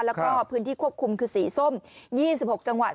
แล้วก็พื้นที่ควบคุมคือสีส้ม๒๖จังหวัด